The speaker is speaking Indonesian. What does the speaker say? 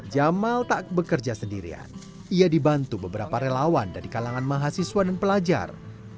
jamal tak bekerja sendirian ia dibantu beberapa relawan dari kalangan mahasiswa dan pelajar